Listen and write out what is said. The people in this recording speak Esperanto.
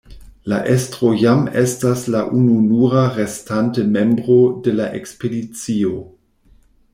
La estro jam estas la ununura restanta membro de la ekspedicio.